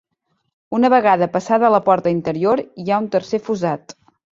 Una vegada passada la porta interior hi ha un tercer fossat.